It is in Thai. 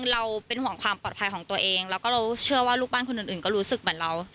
เราเป็นห่วงความปลอดภัยของตัวเองแล้วก็เราเชื่อว่าลูกบ้านคนอื่นก็รู้สึกเหมือนเรา